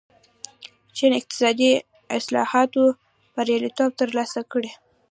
چین اقتصادي اصلاحاتو بریالیتوب ترلاسه کړ.